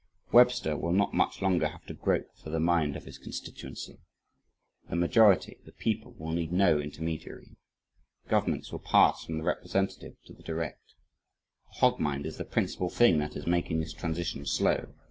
Webster will not much longer have to grope for the mind of his constituency. The majority the people will need no intermediary. Governments will pass from the representative to the direct. The hog mind is the principal thing that is making this transition slow.